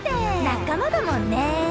仲間だもんね。